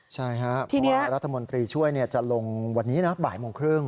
ใช่ครับเพราะว่ารัฐมนตรีช่วยจะลงวันนี้นะบ่ายโมงครึ่ง